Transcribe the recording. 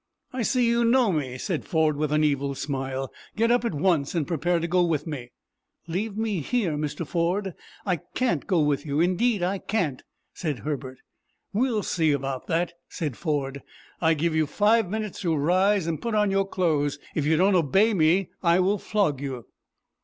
"I see you know me," said Ford, with an evil smile. "Get up at once, and prepare to go with me." "Leave me here, Mr. Ford. I can't go with you; Indeed, I can't," said Herbert. "We'll see about that," said Ford. "I give you five minutes to rise and put on your clothes. If you don't obey me, I will flog you."